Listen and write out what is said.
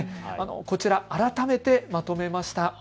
こちら改めてまとめました。